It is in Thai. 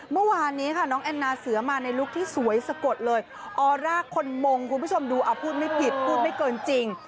เมื่อวานนี้ค่ะน้องแอนนาเสือมาในลุคที่สวยสะกดเลยออร่าคนมงคุณผู้ชมดูเอาพูดไม่ผิดพูดไม่เกินจริง